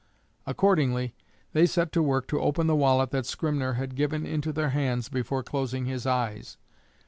Accordingly they set to work to open the wallet that Skrymner had given into their hands before closing his eyes.